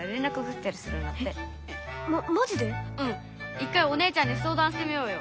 一回お姉ちゃんにそうだんしてみようよ！